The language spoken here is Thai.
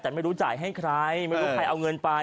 แต่ไม่รู้จ่ายให้ใครไม่รู้ใครเอาเงินไป